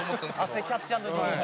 汗キャッチアンドリリース。